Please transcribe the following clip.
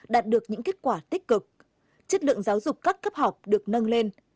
đạt được những kết quả tích cực chất lượng giáo dục các cấp học được nâng lên